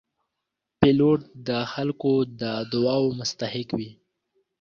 پیلوټ د خلکو د دعاو مستحق وي.